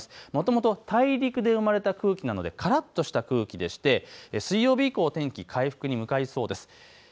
もともと大陸で生まれた空気なのでからっとした空気でして水曜日以降、天気、回復に向かいそうです。